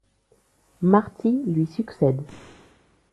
Marty lui succède.